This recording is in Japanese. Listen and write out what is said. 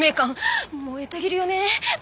燃えたぎるよね。